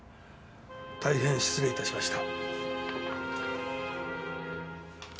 大変失礼いたしました。